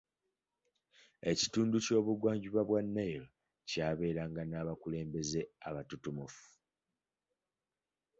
Ekitundu ky'obugwanjuba bwa Nile kyabeeranga n'abakulembeze abatutumufu.